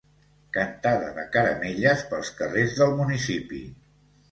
Cantada de caramelles pels carrers del municipi.